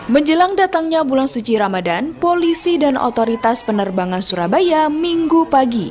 menjelang datangnya bulan suci ramadan polisi dan otoritas penerbangan surabaya minggu pagi